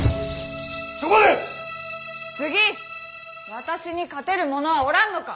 私に勝てる者はおらんのか！